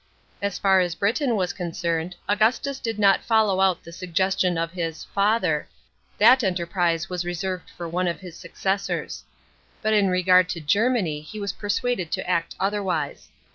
As far as Britain was concerned, Augustus did not follow out the suggestions of his " father "; that enterprise was reserved for one of his successors. But in regard to Germany he was persuaded to act otherwise.